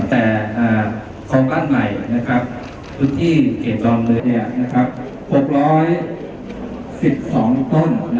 แต่โครงการใหม่พื้นที่เกจรอมเวลา๖๑๒ต้น